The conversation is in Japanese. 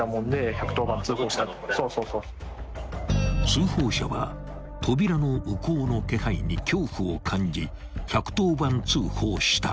［通報者は扉の向こうの気配に恐怖を感じ１１０番通報した］